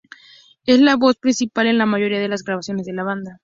Él es la voz principal en la mayoría de las grabaciones de la banda.